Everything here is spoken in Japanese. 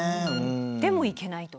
でもいけないと。